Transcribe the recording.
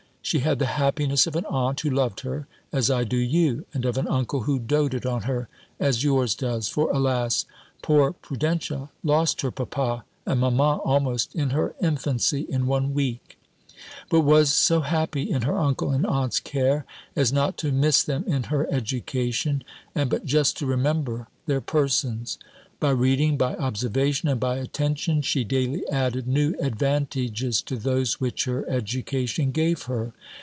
She had the happiness of an aunt, who loved her, as I do you; and of an uncle who doated on her, as yours does: for, alas! poor Prudentia lost her papa and mamma almost in her infancy, in one week: but was so happy in her uncle and aunt's care, as not to miss them in her education, and but just to remember their persons. By reading, by observation, and by attention, she daily added new advantages to those which her education gave her.